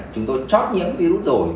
chúng tôi chót nhiễm virus rồi